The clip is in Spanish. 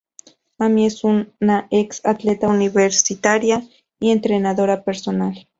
Amy es una ex atleta universitaria y entrenadora personal.